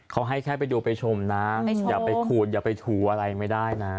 เขาให้แค่ไปดูไปชมนะอย่าไปขูดอย่าไปถูอะไรไม่ได้นะ